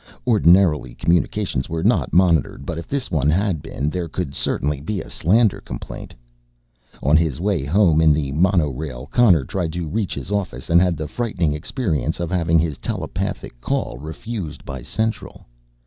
Ordinarily communications were not monitored but if this one had been there could certainly be a slander complaint. On his way home in the monorail Connor tried to reach his office and had the frightening experience of having his telepathic call refused by Central.